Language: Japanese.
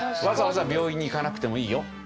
わざわざ病院に行かなくてもいいよ。